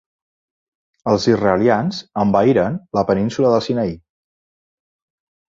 Els israelians envaïren la península del Sinaí.